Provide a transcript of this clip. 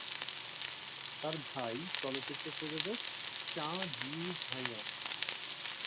তাঁর ভাই চলচ্চিত্র প্রযোজক চা জি-হায়িয়ন।